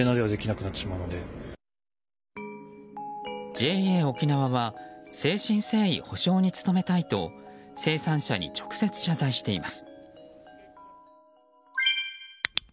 ＪＡおきなわは誠心誠意、補償に努めたいと生産者に直接、謝罪しています。